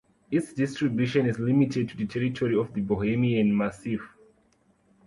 Its distribution is limited to the territory of the Bohemian Massif.